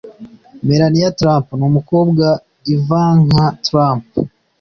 Melania Trump n’ umukobwa Ivanka Trump